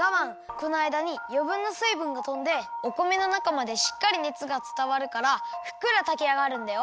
このあいだによぶんなすいぶんがとんでお米のなかまでしっかりねつがつたわるからふっくらたきあがるんだよ。